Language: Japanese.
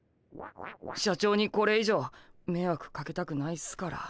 社長にこれ以上めいわくかけたくないっすから。